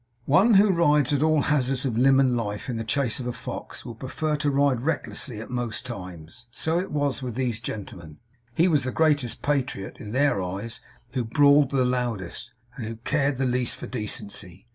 One who rides at all hazards of limb and life in the chase of a fox, will prefer to ride recklessly at most times. So it was with these gentlemen. He was the greatest patriot, in their eyes, who brawled the loudest, and who cared the least for decency.